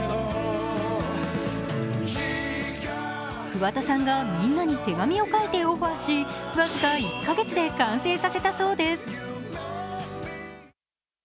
桑田さんがみんなに手紙を書いてオファーし僅か１カ月で完成させたそうです。